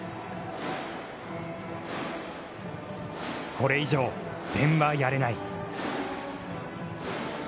これ以上、点はやれない。